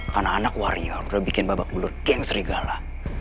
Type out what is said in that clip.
karena anak warrior udah bikin babak belur geng serigala